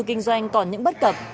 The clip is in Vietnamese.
kinh doanh còn những bất cập